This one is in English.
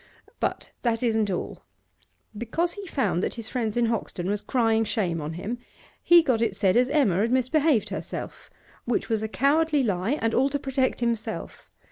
But that isn't all. Because he found that his friends in Hoxton was crying shame on him, he got it said as Emma had misbehaved herself, which was a cowardly lie, and all to protect himself.